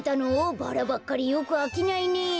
バラばっかりよくあきないね。